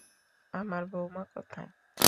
আমার বউমা কোথায়?